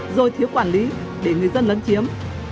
rồi thiếu quản lý để người dân lấn chiếm